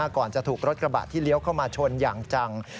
ก่อนจะถูกรถกระบะที่เลี้ยวเข้ามาชนอย่างจัง